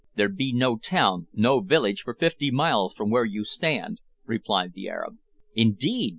"There be no town, no village, for fifty miles from where you stand," replied the Arab. "Indeed!"